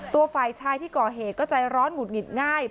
ตัวฝ่ายชายที่ก่อเหตุก็ใจร้อนหงุดหงิดง่าย